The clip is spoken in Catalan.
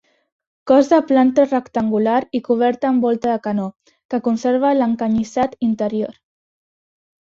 Cos de planta rectangular i coberta amb volta de canó, que conserva l'encanyissat interior.